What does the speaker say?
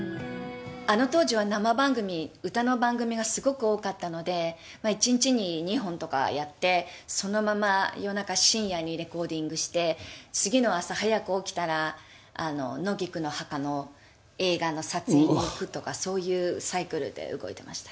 あの当時は、生番組、歌の番組がすごく多かったので、１日に２本とかやって、そのまま夜中、深夜にレコーディングして、次の朝早く起きたら、野菊の墓の映画の撮影に行くとか、そういうサイクルで動いてました。